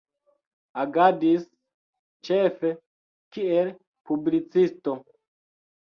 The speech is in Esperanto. Agadis, ĉefe, kiel publicisto.